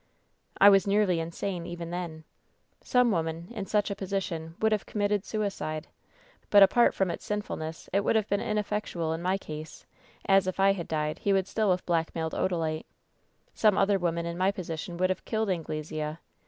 "I was nearly insane, even then. Some women in such a position would have committed suicide; but^ apart from its sinfulness, it would have been ineflEectual in my case, as, if I had died, he would still have black mailed Odalite. Some other women in my position would have killed Anglesea.